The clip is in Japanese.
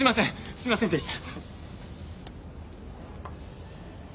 すみませんでした！